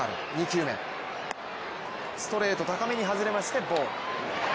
２球目、ストレート高めに外れましてボール。